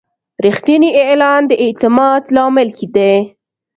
رښتینی اعلان د اعتماد لامل دی.